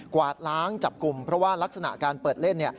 วาดล้างจับกลุ่มเพราะว่ารักษณะการเปิดเล่น